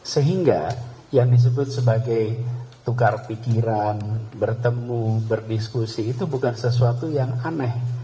sehingga yang disebut sebagai tukar pikiran bertemu berdiskusi itu bukan sesuatu yang aneh